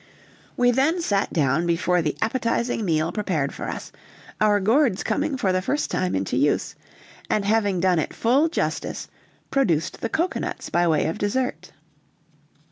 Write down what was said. We then sat down before the appetizing meal prepared for us, our gourds coming for the first time into use, and having done it full justice, produced the cocoanuts by way of dessert.